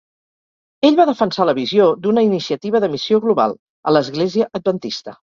Ell va defensar la visió d'una "iniciativa de missió global" a l'Església Adventista.